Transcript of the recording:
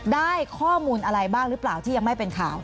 ได้ข้อมูลอะไรบ้างหรือเปล่าที่ยังไม่เป็นข่าว